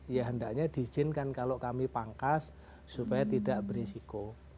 ya hendaknya diizinkan kalau kami pangkas supaya tidak berisiko